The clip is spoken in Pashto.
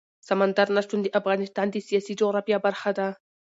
سمندر نه شتون د افغانستان د سیاسي جغرافیه برخه ده.